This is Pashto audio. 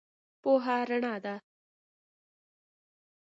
پوهه رنا ده.